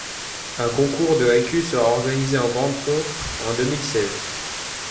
Un concours de haïkus sera organisé en grande pompe en deux mille seize.